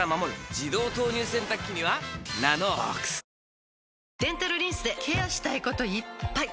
自動投入洗濯機には「ＮＡＮＯＸ」デンタルリンスでケアしたいこといっぱい！